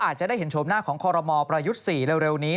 อาจจะได้เห็นโฉมหน้าของคอรมอลประยุทธ์๔เร็วนี้